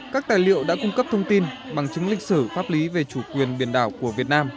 các tài liệu đã cung cấp thông tin bằng chứng lịch sử pháp lý về chủ quyền biển đảo của việt nam